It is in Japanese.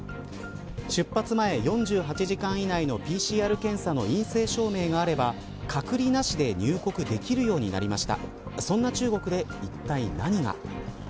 出発前４８時間以内のＰＣＲ検査の陰性証明があれば隔離なしで入国できるようになりました。